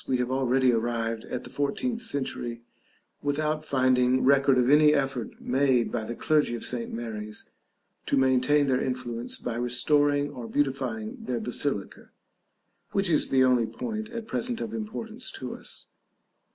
We have already arrived at the fourteenth century without finding record of any effort made by the clergy of St. Mary's to maintain their influence by restoring or beautifying their basilica; which is the only point at present of importance to us.